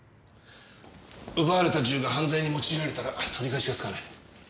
奪われた銃が犯罪に用いられたら取り返しがつかない。